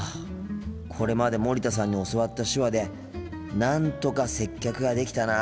これまで森田さんに教わった手話でなんとか接客ができたなあ。